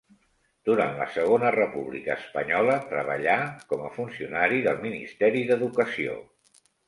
Durant la Segona República Espanyola treballà com a funcionari del Ministeri d'Educació.